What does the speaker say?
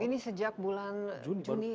ini sejak bulan juni